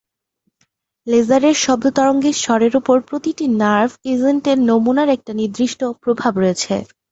লেজারের শব্দ তরঙ্গের স্বরের উপর প্রতিটি নার্ভ এজেন্টের নমুনার একটি নির্দিষ্ট প্রভাব রয়েছে।